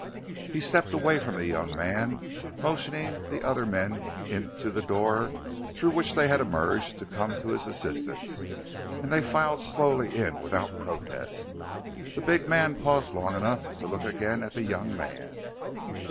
He stepped away from the young man, motioning the other men into the door through which they had emerged to come to his assistance, and they filed slowly in without protest. The big man paused long enough to look again at the young man.